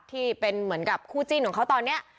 ที่เป็นเหมือนกับคู่จิ้นของเขาตอนนี้